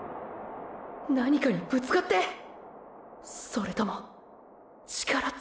何かにぶつかって⁉それともーー力尽きて！！